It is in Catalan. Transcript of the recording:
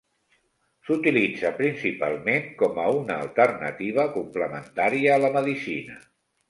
S'utilitza principalment com a una alternativa complementària a la medicina.